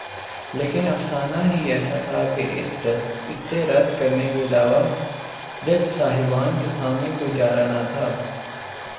لیکن افسانہ ہی ایسا تھا کہ اسے رد کرنے کے علاوہ جج صاحبان کے سامنے کوئی چارہ نہ تھا۔